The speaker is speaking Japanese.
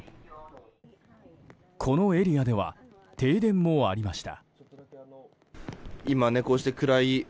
このエリアでは停電もありました。